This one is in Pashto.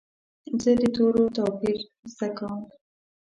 زه د تورو توپیر زده کوم.